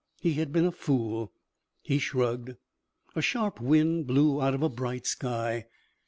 He had been a fool. He shrugged. A sharp wind blew out of a bright sky.